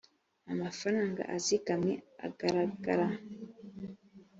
amafaranga azigamwe agaragara